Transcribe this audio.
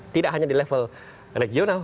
tidak hanya di level regional